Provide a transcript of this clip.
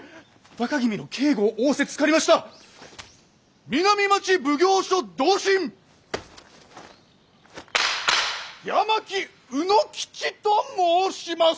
若君の警護を仰せつかりました南町奉行所同心八巻卯之吉と申します！